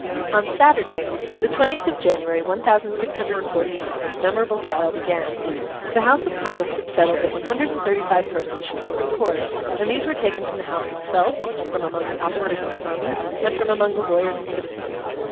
On Saturday, the twentieth of January, one thousand six hundred and forty nine, this memorable trial began. The House of Commons had settled that one hundred and thirty five persons should form the Court, and these were taken from the House itself, from among the officers of the army, and from among the lawyers and citizens.